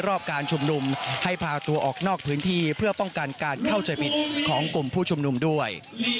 รอบการชุมนุมให้พาตัวออกนอกพื้นที่เพื่อป้องกันการเข้าใจผิดของกลุ่มผู้ชุมนุมด้วย